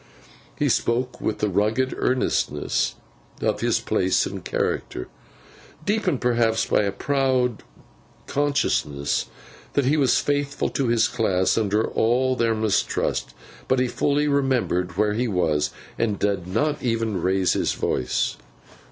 He spoke with the rugged earnestness of his place and character—deepened perhaps by a proud consciousness that he was faithful to his class under all their mistrust; but he fully remembered where he was, and did not even raise his voice.